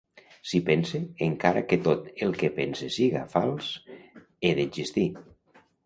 Si pense, encara que tot el que pense siga fals, he d'existir.